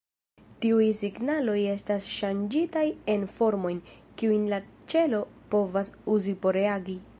Tiuj signaloj estas ŝanĝitaj en formojn, kiujn la ĉelo povas uzi por reagi.